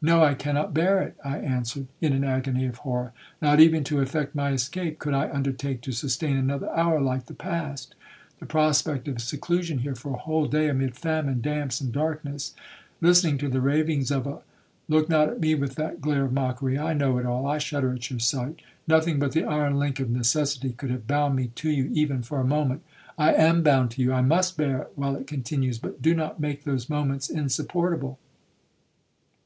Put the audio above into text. '—'No, I cannot bear it,' I answered, in an agony of horror; 'not even to effect my escape, could I undertake to sustain another hour like the past,—the prospect of seclusion here for a whole day amid famine, damps, and darkness, listening to the ravings of a—. Look not at me with that glare of mockery, I know it all, I shudder at your sight. Nothing but the iron link of necessity could have bound me to you even for a moment. I am bound to you,—I must bear it while it continues, but do not make those moments insupportable.